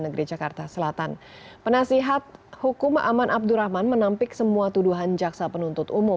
negeri jakarta selatan penasihat hukum aman abdurrahman menampik semua tuduhan jaksa penuntut umum